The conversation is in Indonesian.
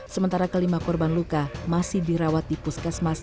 sementara kelima korban luka masih dirawat di puskesmas